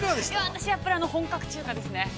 ◆私、やっぱり本格中華ですね。